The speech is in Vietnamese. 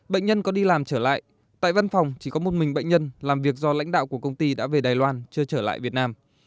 bệnh nhân có đi làm trở lại tại văn phòng chỉ có một mình bệnh nhân làm việc do lãnh đạo của công ty đã về đài loan chưa trở lại việt nam